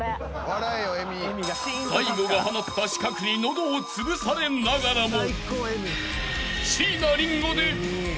［大悟が放った刺客に喉をつぶされながらも］